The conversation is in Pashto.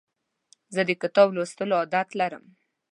زه د کتاب لوستلو عادت لرم.